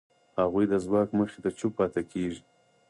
هغوی د ځواک مخې ته چوپ پاتې کېږي.